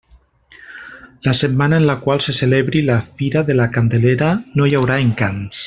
La setmana en la qual se celebri la Fira de la Candelera no hi haurà Encants.